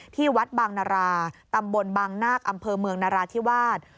ที่วัดบางนาราตำบลบางนาคอำเภอเมืองนราธิวาส